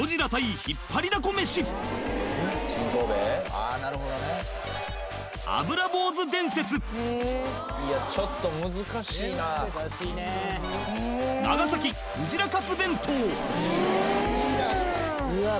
ああなるほどねいやちょっと難しいなうわっ